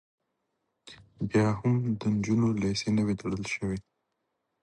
بیا هم د نجونو لیسې نه وې تړل شوې